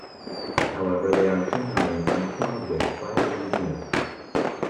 However, they are generally complied with by the media.